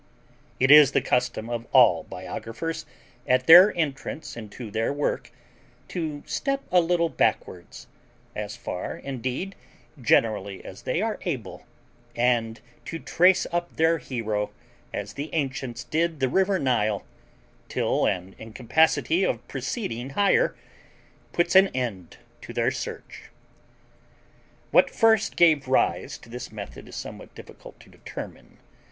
It is the custom of all biographers, at their entrance into their work, to step a little backwards (as far, indeed, generally as they are able) and to trace up their hero, as the ancients did the river Nile, till an incapacity of proceeding higher puts an end to their search. What first gave rise to this method is somewhat difficult to determine.